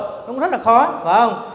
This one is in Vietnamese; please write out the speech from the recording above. nó cũng rất là khó phải không